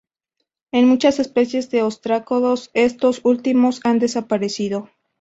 En muchas especies de ostrácodos estos últimos han desaparecido.